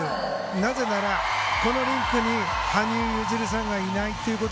なぜならこのリンクに羽生結弦さんがいないと。